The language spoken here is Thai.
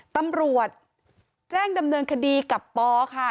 ตำรวจแจ้งดำเนินคดีกับปอค่ะ